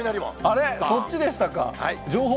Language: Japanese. あれ、そっちでしたか。